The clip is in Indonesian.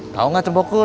kau gak cembokur